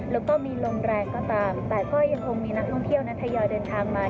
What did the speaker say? แล้วก็มีลมแรงก็ตามแต่ก็ยังคงมีนักท่องเที่ยวนั้นทยอยเดินทางมา